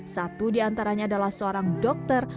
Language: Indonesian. satu di antaranya adalah seorang dokter